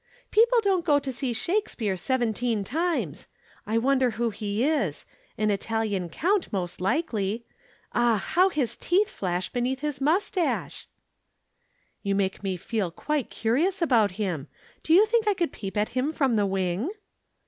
"People don't go to see Shakespeare seventeen times. I wonder who he is an Italian count most likely. Ah, how his teeth flash beneath his moustache!" "You make me feel quite curious about him. Do you think I could peep at him from the wing?"